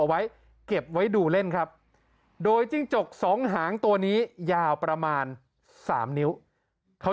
ไว้เก็บไว้ดูเล่นครับโดยจิ้งจกสองหางตัวนี้ยาวประมาณ๓นิ้วเขา